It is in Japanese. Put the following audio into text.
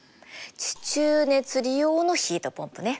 地中熱利用のヒートポンプね。